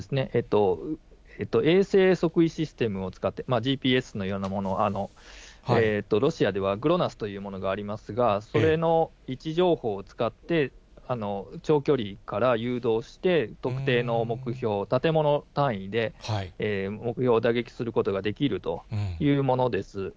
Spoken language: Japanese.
衛星測位システムを使って、ＧＰＳのようなもの、ロシアではグロナスというものがありますが、それの位置情報を使って、長距離から誘導して、特定の目標、建物単位で目標を打撃することができるというものです。